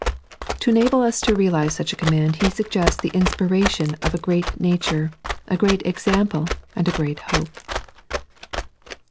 To enable ns to realize such a command He suggests the Inspiration of a great Nature, a great £xample, (uid a great Hope.